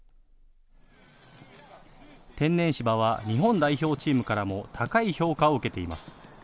天然芝は日本代表チームからも高い評価を受けています。